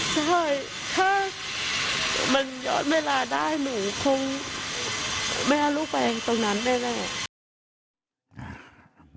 ใช่ถ้ามันย้อนเวลาได้หนูคงไม่เอาลูกไปตรงนั้นได้แล้ว